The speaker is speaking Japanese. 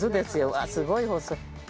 わあすごい細い。